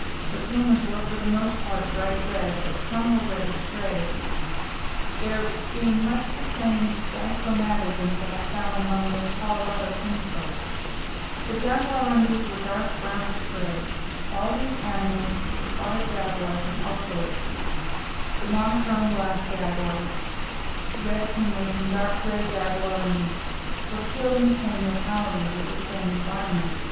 The pumas were for the most part bright red, but some were reddish gray, there being much the same dichromatism that I found among their Colorado kinsfolk. The jaguarundis were dark brownish gray. All these animals, the spotted jaguars and ocelots, the monochrome black jaguars, red pumas, and dark gray jaguarundis, were killed in the same locality, with the same environment.